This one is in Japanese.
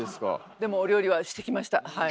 でもお料理はしてきましたはい。